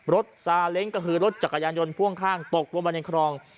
ซาเล้งก็คือรถจักรยานยนต์พ่วงข้างตกลงไปในคลอง